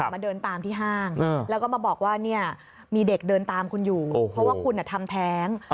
มาเดินตามที่ห้างแล้วก็มาบอกว่าเนี่ยมีเด็กเดินตามคุณอยู่เพราะว่าคุณทำแท้ง